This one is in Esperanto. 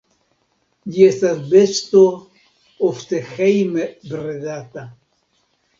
Ĝi estas besto ofte hejme bredata.